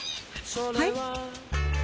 はい？